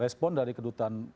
respon dari kedutaan